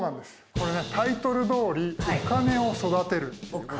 これねタイトルどおりお金を育てる？